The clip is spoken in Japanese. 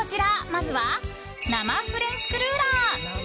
まずは生フレンチクルーラー。